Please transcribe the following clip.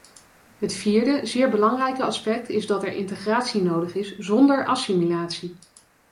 Het vierde zeer belangrijke aspect is dat er integratie nodig is zonder assimilatie.